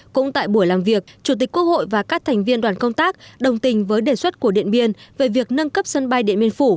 cũng tại buổi làm việc chủ tịch quốc hội và các thành viên đoàn công tác đồng tình với đề xuất của điện biên về việc nâng cấp sân bay điện biên phủ